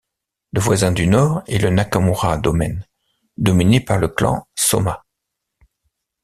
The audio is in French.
Le voisin du nord est le Nakamura Domain dominé par le clan Sōma.